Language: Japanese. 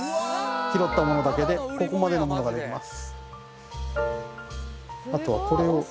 拾ったものだけでここまでのものが出来ます。